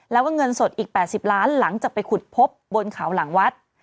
แล้วก็เงินสดอีก๘๐ล้านหลังจากไปขุดพบบนเขาหลังวัด